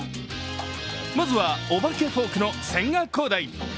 まずはお化けフォークの千賀滉大。